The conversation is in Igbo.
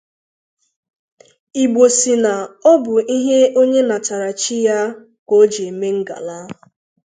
Igbo sị na ọ bụ ihe onye natara chi ya ka o ji eme ngàlá